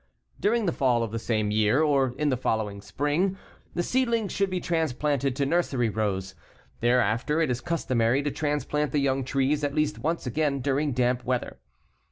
During the fall of the same year, or in the following spring, the seedlings should be transplanted to nursery rows. Thereafter it is customary to transplant the young trees at least once again during damp weather.